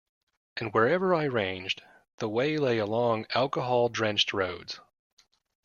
And wherever I ranged, the way lay along alcohol-drenched roads.